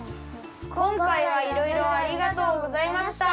こんかいはいろいろありがとうございました。